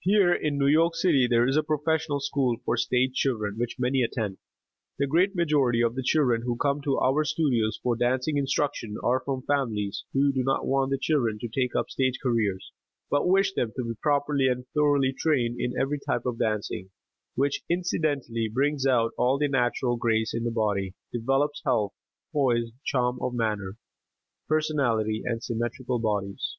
Here in New York City there is a professional school for stage children, which many attend. The great majority of the children who come to our studios for dancing instruction are from families who do not want the children to take up stage careers, but wish them to be properly and thoroughly trained in every type of dancing, which incidentally brings out all the natural grace in the body, develops health, poise, charm of manner, personality and symmetrical bodies.